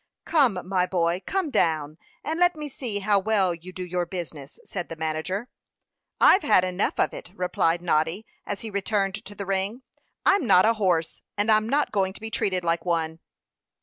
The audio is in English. "Come, my boy, come down, and let me see how well you do your business," said the manager. "I've had enough of it," replied Noddy, as he returned to the ring. "I'm not a horse, and I'm not going to be treated like one."